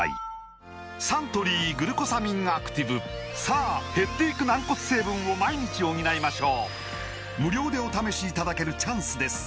サントリー「グルコサミンアクティブ」さあ減っていく軟骨成分を毎日補いましょう無料でお試しいただけるチャンスです